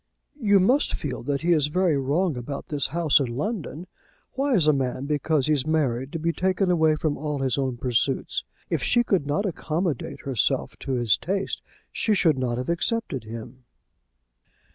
"You must feel that he is very wrong about this house in London. Why is a man, because he's married, to be taken away from all his own pursuits? If she could not accommodate herself to his tastes, she should not have accepted him."